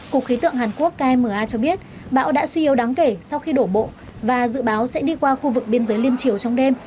cục khí tượng hàn quốc kma cho biết bão đã suy yếu đáng kể sau khi đổ bộ và dự báo sẽ đi qua khu vực biên giới liên triều trong đêm